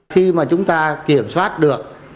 khi mà chúng ta kiểm soát được